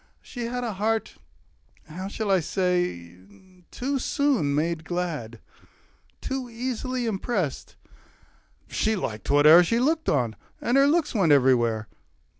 She had A heart how shall I say too soon made glad, Too easily impressed; she liked whate'er She looked on, and her looks went everywhere.